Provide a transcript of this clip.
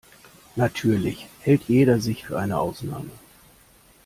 Natürlich hält jeder sich für eine Ausnahme.